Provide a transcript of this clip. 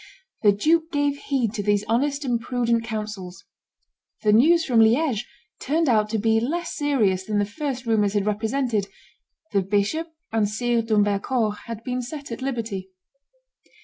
The duke gave heed to these honest and prudent counsels; the news from Liege turned out to be less serious than the first rumors had represented; the bishop and Sire d'Humbercourt had been set at liberty.